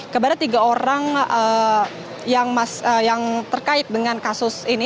kepada tiga orang yang terkait dengan kasus ini